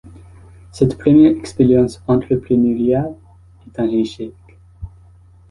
Cette première expérience entrepreneuriale est un échec.